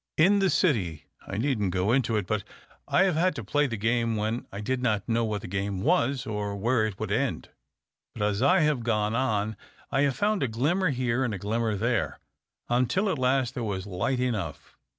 In the City — I needn't go into it — but I have had to play the game when I did not know what the game was, or where it would end. But as I have gone on, I have found a glimmer here and a glimmer there, until at last there was lio ht enoug;h.